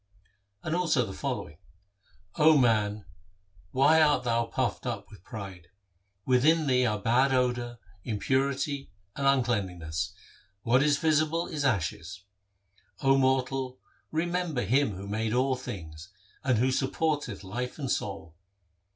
1 And also the following :— 0 man, why art thou puffed up with pride ? Within thee are bad odour, impurity, and uncleanness ; what is visible is ashes. 0 mortal, remember Him who made all things, and who supporteth life and soul.